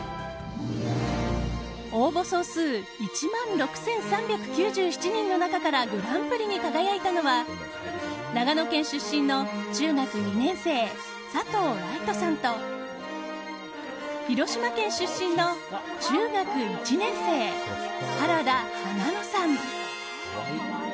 応募総数１万６３９７人の中からグランプリに輝いたのは長野県出身の中学２年生佐藤来未登さんと広島県出身の中学１年生原田花埜さん。